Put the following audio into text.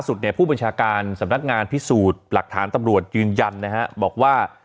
ผู้บัญชาการสำนักงานพิสูจน์หลักฐานตำรวจยืนยันนะฮะบอกว่า